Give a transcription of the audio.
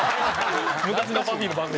昔のＰＵＦＦＹの番組。